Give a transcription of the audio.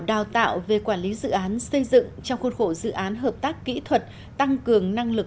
đào tạo về quản lý dự án xây dựng trong khuôn khổ dự án hợp tác kỹ thuật tăng cường năng lực